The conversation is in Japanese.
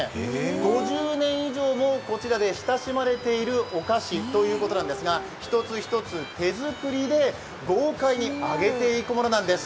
５０年以上もこちらで親しまれてるお菓子なんですが一つ一つ手作りで豪快に揚げていくものなんです。